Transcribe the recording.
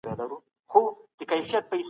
تولیدات باید د نړۍ بازارونو ته ورسیږي.